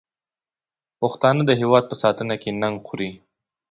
پښتانه د هېواد په ساتنه کې ننګ خوري.